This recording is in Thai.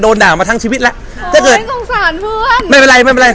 ด่ามาทั้งชีวิตแล้วถ้าเกิดฉันสงสารเพื่อนไม่เป็นไรไม่เป็นไร